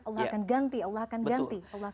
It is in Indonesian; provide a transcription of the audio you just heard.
allah akan ganti allah akan ganti